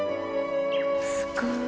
すごい！